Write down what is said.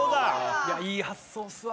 いやいい発想ですわ。